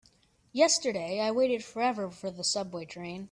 Yesterday I waited forever for the subway train.